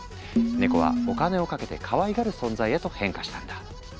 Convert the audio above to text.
ネコはお金をかけてかわいがる存在へと変化したんだ。